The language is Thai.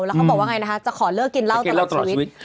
แล้วเขาบอกว่าไงนะคะจะขอเลิกกินเหล้าตลอดชีวิต